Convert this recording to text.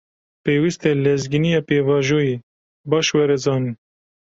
Pêwîst e lezgîniya pêvajoyê, baş were zanîn